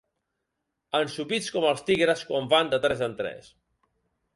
Ensopits com els tigres quan van de tres en tres.